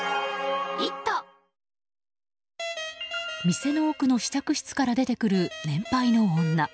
店の奥の試着室から出てくる年配の女。